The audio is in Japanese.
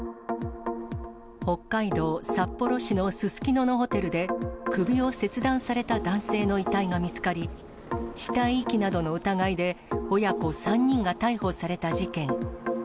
北海道札幌市のすすきののホテルで、首を切断された男性の遺体が見つかり、死体遺棄などの疑いで親子３人が逮捕された事件。